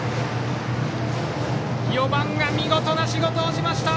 ４番が見事な仕事をしました！